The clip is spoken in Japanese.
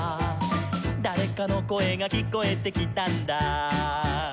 「だれかのこえがきこえてきたんだ」